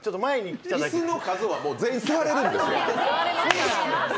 椅子の数は全員、座れるんです。